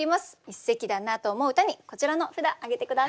一席だなと思う歌にこちらの札挙げて下さい。